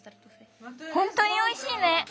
ほんとにおいしいね。